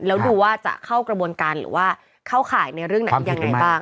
แล้วดูว่าจะเข้ากระบวนการหรือว่าเข้าข่ายในเรื่องไหนยังไงบ้าง